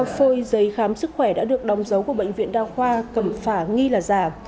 bốn mươi ba phôi giấy khám sức khỏe đã được đóng dấu của bệnh viện đa khoa cẩm phả nghi là giả